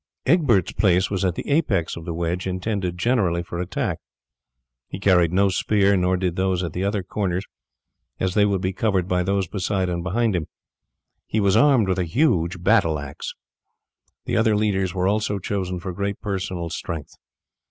Egbert's place was at the apex of the wedge intended generally for attack. He carried no spear, nor did those at the other corners, as they would be covered by those beside and behind them; he was armed with a huge battle axe. The other leaders were also chosen for great personal strength.